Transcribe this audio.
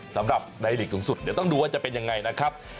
สำหรับในหลีกสูงสุดเดี๋ยวต้องดูว่าจะเป็นยังไงนะครับ